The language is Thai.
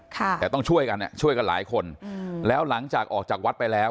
แต่ต้องช่วยกันอ่ะช่วยกันหลายคนอืมแล้วหลังจากออกจากวัดไปแล้ว